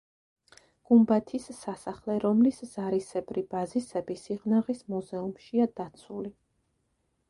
გუმბათის სასახლე, რომლის ზარისებრი ბაზისები სიღნაღის მუზეუმშია დაცული.